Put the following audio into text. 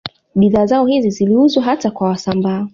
Bidhaa zao hizi ziliuzwa hata kwa Wasambaa